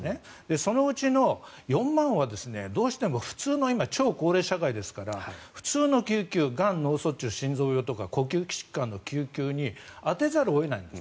そのうちの４万はどうしても普通のような今、超高齢化社会ですから普通の救急がん、脳卒中、心臓病呼吸器疾患の救急に充てざるを得ないんです。